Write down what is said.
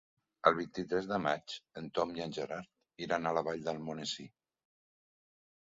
El vint-i-tres de maig en Tom i en Gerard iran a la Vall d'Almonesir.